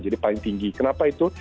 jadi paling tinggi kenapa itu